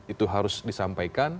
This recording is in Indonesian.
itu harus disampaikan